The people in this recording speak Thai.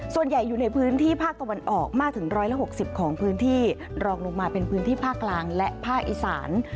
ส่วนใหญ่อยู่ในพื้นที่ภาคตะวันออกมากถึง๑๖๐ของพื้นที่รองลงมาเป็นพื้นที่ภาคกลางและภาคอีสาน